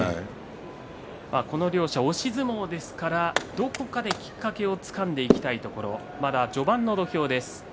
この両者押し相撲ですからどこかできっかけをつかんでいきたいところまだ序盤の土俵です。